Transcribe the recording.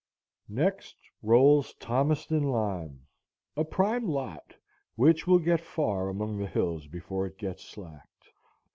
Next rolls Thomaston lime, a prime lot, which will get far among the hills before it gets slacked.